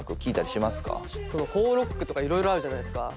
邦ロックとかいろいろあるじゃないですか。